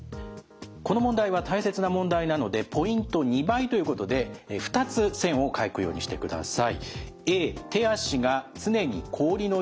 この問題は大切な問題なのでポイント２倍ということで２つ線を書くようにしてください。